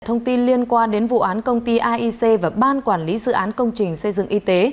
thông tin liên quan đến vụ án công ty aic và ban quản lý dự án công trình xây dựng y tế